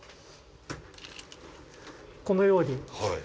このように。